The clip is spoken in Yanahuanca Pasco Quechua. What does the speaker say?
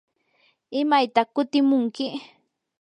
¿imaytaq kutimunki?